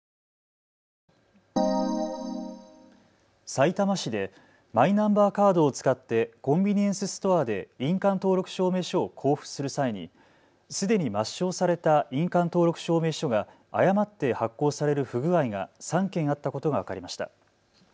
さいたま市でマイナンバーカードを使ってコンビニエンスストアで印鑑登録証明書を交付する際にすでに抹消された印鑑登録証明書が誤って発行される不具合が３件あったことが分かりました。